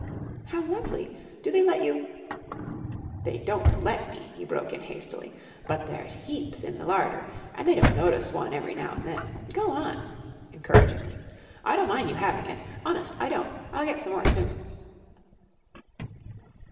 "How lovely! Do they let you ?" "They don't let me," he broke in hastily, "but there's heaps in the larder and they don't notice one every now an' then. Go on!" encouragingly, "I don't mind you having it! Honest, I don't! I'll get some more soon."